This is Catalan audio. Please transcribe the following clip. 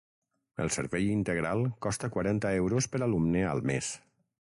El servei integral costa quaranta euros per alumne al mes.